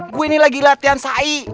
gue ini lagi latihan saik